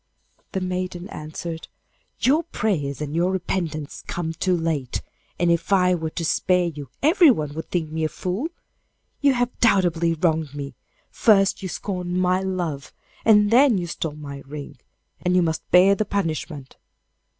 The maiden answered, 'Your prayers and your repentance come too late, and if I were to spare you everyone would think me a fool. You have doubly wronged me; first you scorned my love, and then you stole my ring, and you must bear the punishment.